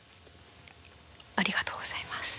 ありがとうございます。